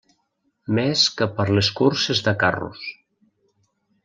Més que per les curses de carros.